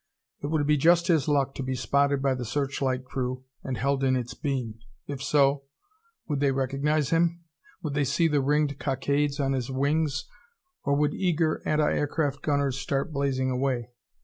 It would be just his luck to be spotted by the searchlight crew and held in its beam. If so, would they recognize him? Would they see the ringed cockades on his wings, or would eager anti aircraft gunners start blazing away?